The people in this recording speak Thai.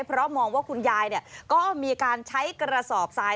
เพราะมองว่าคุณยายก็มีการใช้กระสอบทราย